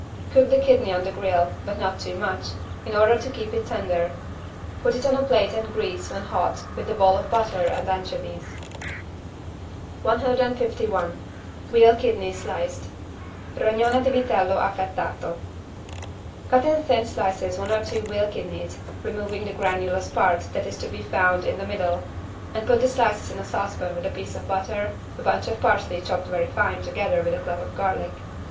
Cook the kidney on the grill, but not too much, in order to keep it tender, put it on a plate and grease when hot with the ball of butter and anchovies. 151 VEAL KIDNEY SLICED (Rognone di vitello affettato) Cut in thin slices one or two veal kidneys, removing the granulous part that is to be found in the middle, and put the slices in a saucepan with a piece of butter, a bunch of parsley chopped very fine together with a clove of garlic.